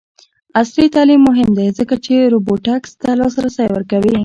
عصري تعلیم مهم دی ځکه چې روبوټکس ته لاسرسی ورکوي.